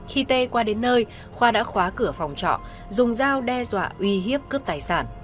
khi tê qua đến nơi khoa đã khóa cửa phòng trọ dùng dao đe dọa uy hiếp cướp tài sản